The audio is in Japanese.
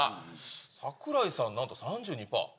櫻井さん、なんと３２パー。